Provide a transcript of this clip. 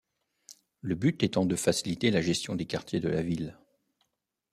Le but étant de faciliter la gestion des quartiers de la ville.